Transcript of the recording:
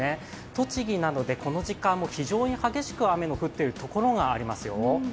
栃木などでこの時間も非常に激しく雨の降っているところがありますよ。